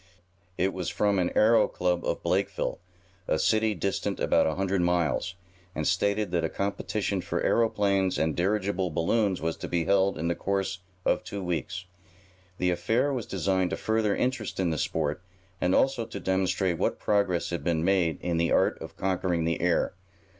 It was from an aero club of Blakeville, a city distant about a hundred miles, and stated that a competition for aeroplanes and dirigible balloons was to be held in the course of two weeks. The affair was designed to further interest in the sport, and also to demonstrate what progress had been made in the art of conquering the air.